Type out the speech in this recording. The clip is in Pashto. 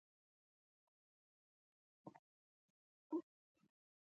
حق خورو د لوڼو دا مو رواج دی